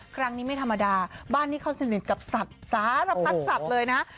ครั้งนี้ไม่ธรรมดาบ้านนี้เขาสนิทกับสัตว์สารพัดสัตว์เลยนะ